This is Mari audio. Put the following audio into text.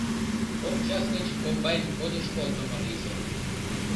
Кок час гыч комбайн ходыш колтымо лийже!